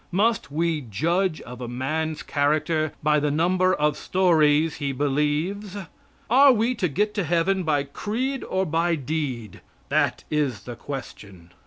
Must we judge of a man's character by the number of stories he believes? Are we to get to Heaven by creed or by deed? That is the question.